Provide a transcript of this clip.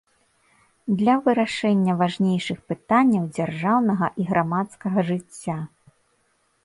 Для вырашэння важнейшых пытанняў дзяржаўнага і грамадскага жыцця.